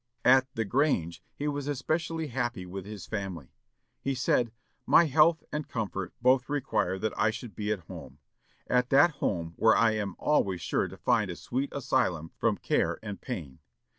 At "The Grange" he was especially happy with his family. He said, "My health and comfort both require that I should be at home at that home where I am always sure to find a sweet asylum from care and pain....